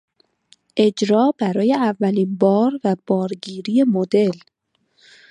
اجرا برای اولین بار و بارگیری مدل